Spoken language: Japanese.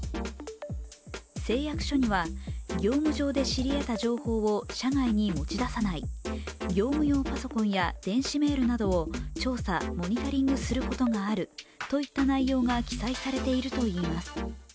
誓約書には業務上で知り得た情報を社外に持ち出さない業務用パソコンや電子メールなどを調査・モニタリングすることがあるといった内容が記載されているといいます。